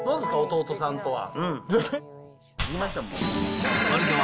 弟さんとは。